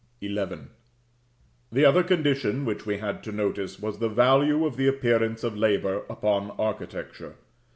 XI. The other condition which we had to notice, was the value of the appearance of labor upon architecture.